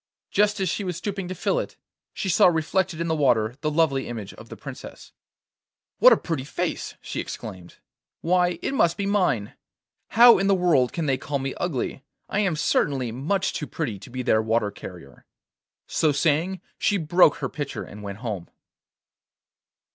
Just as she was stooping to fill it, she saw reflected in the water the lovely image of the Princess. 'What a pretty face!' she exclaimed, 'Why, it must be mine! How in the world can they call me ugly? I am certainly much too pretty to be their water carrier!' So saying, she broke her pitcher and went home.